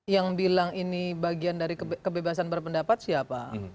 yang bilang ini bagian dari kebebasan berpendapat siapa